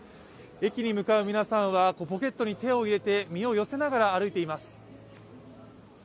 駅に向かう皆さんはポケットに手を入れて身を寄せながら歩いています。